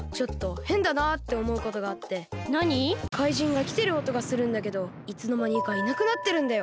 かいじんがきてるおとがするんだけどいつのまにかいなくなってるんだよ。